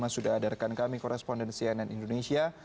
sudah adarkan kami koresponden cnn indonesia